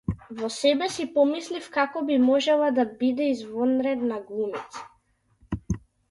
Во себе си помислив како би можела да биде извонредна глумица.